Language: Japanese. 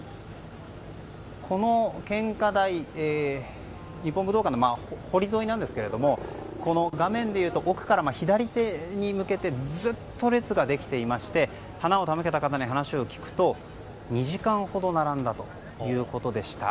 この献花台日本武道館の濠沿いなんですが画面でいうと奥から左手に向けてずっと列ができていまして花を手向けた方に話を聞くと２時間ほど並んだということでした。